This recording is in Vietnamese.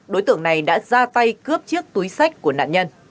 đối tượng này đã ra tay cướp chiếc túi sách của nạn nhân